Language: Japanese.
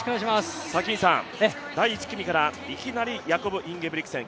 第１組からいきなりヤコブ・インゲブリクセン、